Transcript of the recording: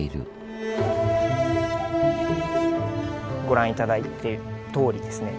ご覧頂いているとおりですね